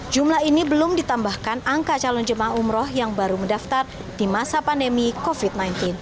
jumlah ini belum ditambahkan angka calon jemaah umroh yang baru mendaftar di masa pandemi covid sembilan belas